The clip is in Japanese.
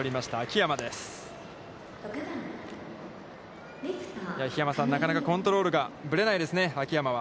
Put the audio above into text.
桧山さん、なかなかコントロールがぶれないですね、秋山は。